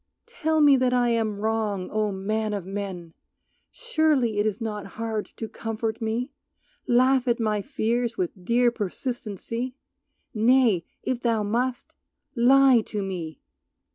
Tell me that I am wrong, O! Man of men, Surely it is not hard to comfort me, Laugh at my fears with dear persistency, Nay, if thou must, lie to me!